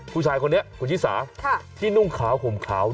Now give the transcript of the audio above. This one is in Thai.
ผู้ชายคนนี้คุณชิสาที่นุ่งขาวห่มขาว